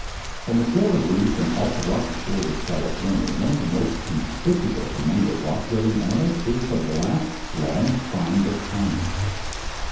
] On the Florida Reef and off the rocky shores of California one of the most conspicuous among the rock living animals is the black, long spined Echinus.